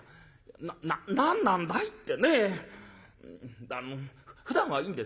「なっなっ何なんだいってねえ。ふだんはいいんですよ